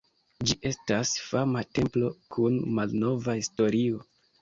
Ĝi estas fama templo kun malnova historio.